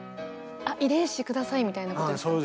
あ遺伝子下さいみたいなことですか？